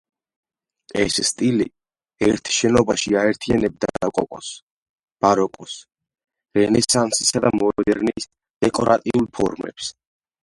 ეს სტილი ერთ შენობაში აერთიანებდა როკოკოს, ბაროკოს, რენესანსისა და მოდერნის დეკორატიულ ფორმებს.